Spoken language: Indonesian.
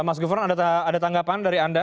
mas gufron ada tanggapan dari anda